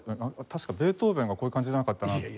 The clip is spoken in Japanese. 確かベートーヴェンがこういう感じじゃなかったかな。